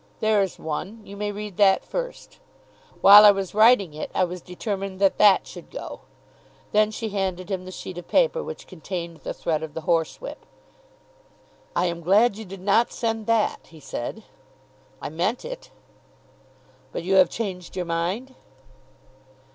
There is one. You may read that first. While I was writing it, I was determined that that should go." Then she handed him the sheet of paper which contained the threat of the horsewhip. "I am glad you did not send that," he said. "I meant it." "But you have changed your mind?"